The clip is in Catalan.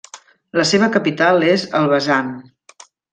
La seva capital és Elbasan.